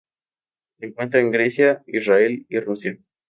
Se encuentra en Grecia, Israel y Rusia.